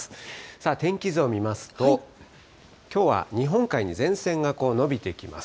さあ、天気図を見ますと、きょうは日本海に前線が延びてきます。